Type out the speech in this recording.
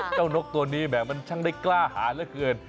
เจ้านกตัวนี้แบบมันช่างได้กล้าหาแล้วเกิน